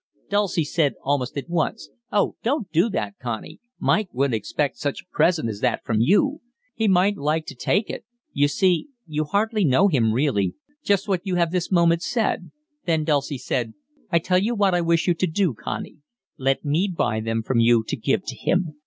Dulcie said almost at once: 'Oh, don't do that, Connie. Mike wouldn't expect such a present as that from you. He mightn't like to take it; you see, you hardly know him really' just what you have this moment said. Then Dulcie said: 'I tell you what I wish you would do, Connie let me buy them from you to give to him.